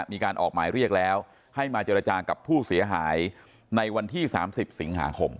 มีการออกหมายเรียกแล้วให้มาเจรจากับผู้เสียหายในวันที่๓๐สิงหาคม